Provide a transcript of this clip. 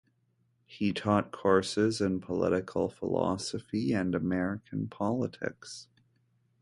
He taught courses in political philosophy and American politics.